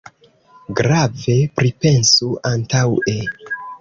Grave pripensu antaŭe.